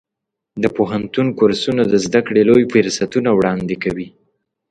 د پوهنتون کورسونه د زده کړې لوی فرصتونه وړاندې کوي.